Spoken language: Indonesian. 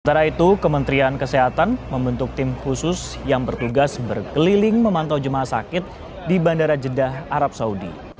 sementara itu kementerian kesehatan membentuk tim khusus yang bertugas berkeliling memantau jemaah sakit di bandara jeddah arab saudi